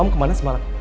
om kemana semalam